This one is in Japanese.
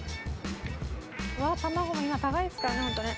うわあ卵も今高いですからねホントね。